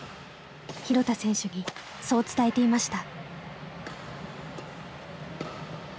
廣田選手にそう伝えていました。